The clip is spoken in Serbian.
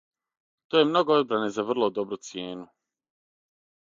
То је много одбране за врло добру цијену.